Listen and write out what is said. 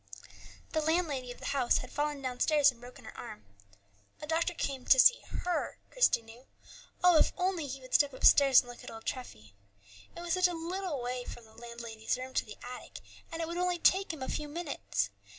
The landlady of the house had fallen downstairs and broken her arm. A doctor came to see her, Christie knew; oh, if he would only step upstairs and look at old Treffy! It was such a little way from the landlady's room to the attic, and it would only take him a few minutes.